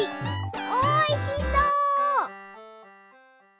おいしそう。